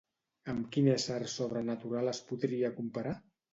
Amb quin ésser sobrenatural es podria comparar?